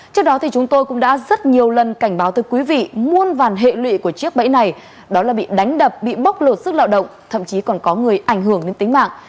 trước đó thì chúng tôi cũng đã rất nhiều lần cảnh báo tới quý vị muôn vàn hệ lụy của chiếc bẫy này đó là bị đánh đập bị bóc lột sức lao động thậm chí còn có người ảnh hưởng đến tính mạng